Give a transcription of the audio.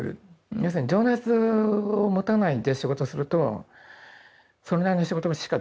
要するに情熱を持たないで仕事するとそれなりの仕事しかできないから。